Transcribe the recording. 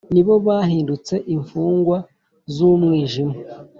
ni bo bahindutse imfungwa z’umwijima,